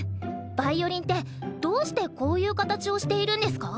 ヴァイオリンってどうしてこういう形をしているんですか？